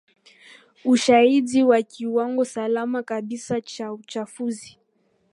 ushahidi wa kiwango salama kabisa cha uchafuzi